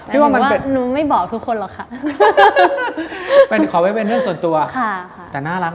แต่ผมก็ยังรบกว้าง